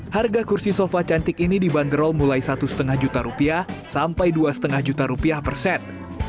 harga kursi sofa cantik ini dibanderol mulai satu lima juta rupiah sampai dua lima juta rupiah per set